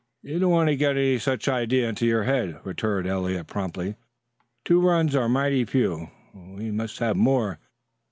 "You don't want to get any such an idea into your head," returned Eliot promptly. "Two runs are mighty few; we must have more.